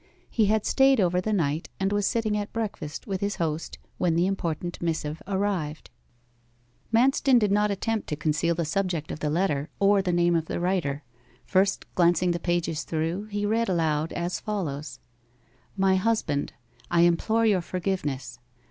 He had stayed over the night, and was sitting at breakfast with his host when the important missive arrived. Manston did not attempt to conceal the subject of the letter, or the name of the writer. First glancing the pages through, he read aloud as follows: '"MY HUSBAND, I implore your forgiveness.